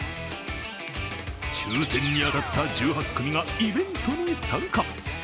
抽選に当たった１８組がイベントに参加。